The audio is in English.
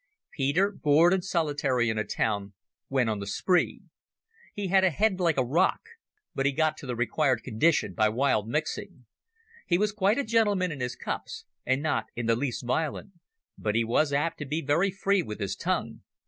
Peter, bored and solitary in a town, went on the spree. He had a head like a rock, but he got to the required condition by wild mixing. He was quite a gentleman in his cups, and not in the least violent, but he was apt to be very free with his tongue.